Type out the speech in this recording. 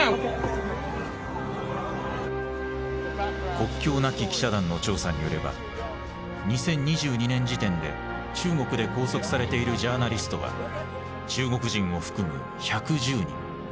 「国境なき記者団」の調査によれば２０２２年時点で中国で拘束されているジャーナリストは中国人を含む１１０人。